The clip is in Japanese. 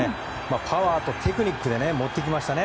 パワーとテクニックで持っていきましたね。